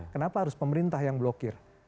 kenapa harus pemerintah yang blokir